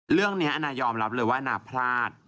เรื่องนี้อันนายอมรับเลยว่าอันนาพลาด